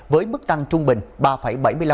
với mức tăng trung bình ba bảy mươi năm